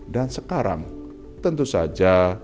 dan sekarang tentu saja